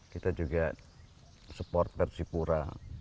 kita juga support persipura